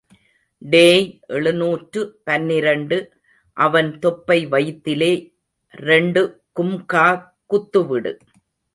டேய் எழுநூற்று பனிரண்டு , அவன் தொப்பை வயித்திலே ரெண்டு கும்கா குத்து விடு.